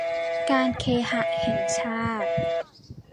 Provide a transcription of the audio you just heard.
การเคหะแห่งชาติ